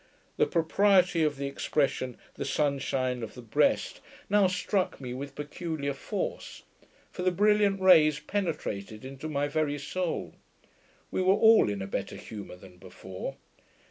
The propriety of the expression, 'the sunshine of the breast', now struck me with peculiar force; for the brilliant rays penetrated into my very soul. We were all in better humour than before.